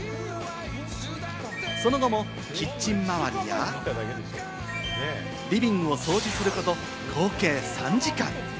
その後もキッチン周りや、リビングを掃除すること合計３時間。